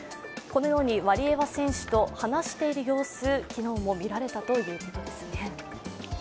このようにワリエワ選手と話している様子、昨日も見られたということですね。